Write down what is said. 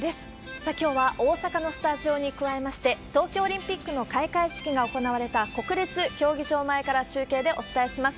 さあ、きょうは大阪のスタジオに加えまして、東京オリンピックの開会式が行われた国立競技場前から中継でお伝えします。